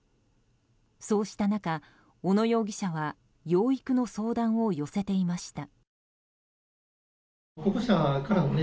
そうした中、小野容疑者は養育の相談を寄せていました。